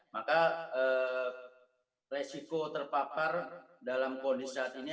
maka resiko terpapar dalam kondisi saat ini